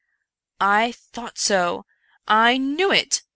I thought so !— I knew it